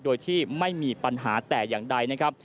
โดยที่ไม่มีปัญหาแต่อย่างใดนะครับ